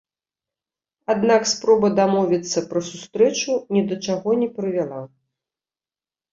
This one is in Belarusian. Аднак спроба дамовіцца пра сустрэчу ні да чаго не прывяла.